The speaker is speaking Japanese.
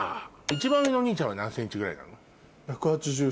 一番上のお兄ちゃんは何ｃｍぐらいなの？